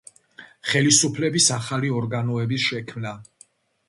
ხელისუფლების ახალი ორგანოების შექმნა.